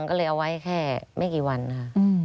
ก็เลยเอาไว้แค่ไม่กี่วันค่ะ